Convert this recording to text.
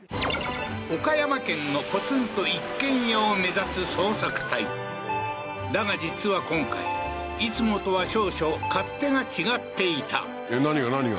岡山県のポツンと一軒家を目指す捜索隊だが実は今回いつもとは少々勝手が違っていたえっ何が？